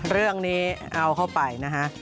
เรื่องนี้เอาเข้าไปนะฮะ